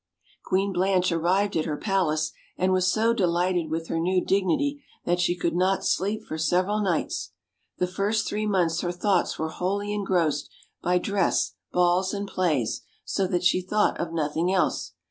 Queen Blanche arrived at her palace, and was so de lighted with her new dignity that she could not sleep for several nights. The first three months her thoughts were wholly engrossed by dress, balls, and plays, so that she thought of nothing else.